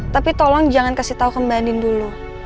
tapi tolong jangan kasih tau ke mbak andin dulu